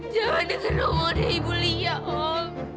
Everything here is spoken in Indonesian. jangan diserah ngomong dari ibu lia om